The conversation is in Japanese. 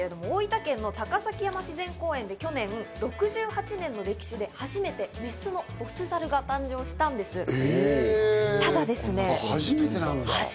大分県の高崎山自然動物園で６８年の歴史で初めてメスのボスザルが誕生したんです。